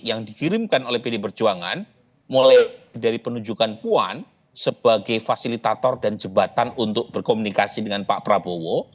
yang dikirimkan oleh pd perjuangan mulai dari penunjukan puan sebagai fasilitator dan jembatan untuk berkomunikasi dengan pak prabowo